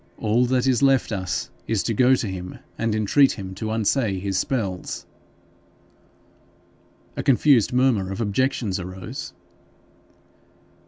All that is left us is to go to him and entreat him to unsay his spells.' A confused murmur of objections arose.